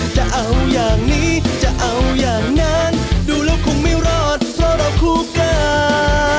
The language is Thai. จะเอาอย่างนี้จะเอาอย่างนั้นดูแล้วคงไม่รอดเพราะเราคู่กัน